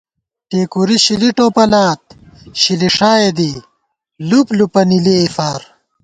ٹېکُوری شِلی ٹوپَلات شلِݭائےدِی لُپلُپہ نِلِئےفار